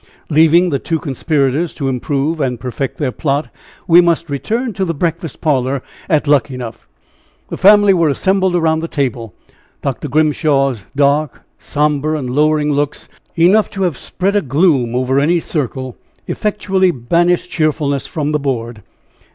Leaving the two conspirators to improve and perfect their plot, we must return to the breakfast parlor at Luckenough. The family were assembled around the table. Dr. Grimshaw's dark, sombre and lowering looks, enough to have spread a gloom over any circle, effectually banished cheerfulness from the board.